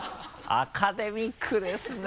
アカデミックですね。